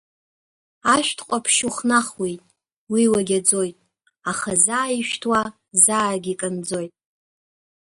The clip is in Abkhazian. Ашәҭ ҟаԥшь ухнахуеит, уи уагьаӡоит, Аха заа ишәҭуа заагьы иканӡоит.